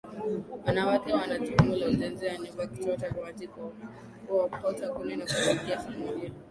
Wanawake wana jukumu la ujenzi wa nyumba kuchota maji kuokota kuni na kupikia familia